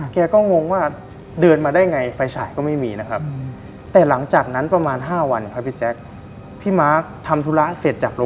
เครียร์ก็งงว่าเดินมาได้ไงไฟฉายก็ไม่มีนะครับแต่หลังจากนั้น๕วันพี่มาจะทำตัวแล้ว